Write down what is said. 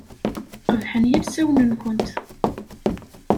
Qebḥen yilsawen-nkent.